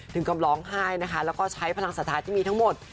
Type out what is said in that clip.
ถึงกับร้องไห้นะคะแล้วก็ใช้พลังศรัทธาที่มีทั้งหมด